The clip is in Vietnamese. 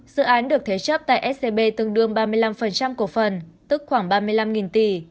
dự án được thế chấp tại scb tương đương ba mươi năm cổ phần tức khoảng ba mươi năm tỷ